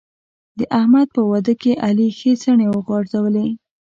د احمد په واده کې علي ښې څڼې وغورځولې.